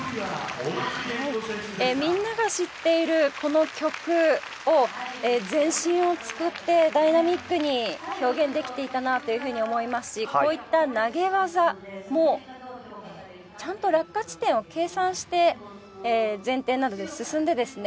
みんなが知っているこの曲を全身を使ってダイナミックに表現できていたなというふうに思いますしこういった投げ技もちゃんと落下地点を計算して前転などで進んでですね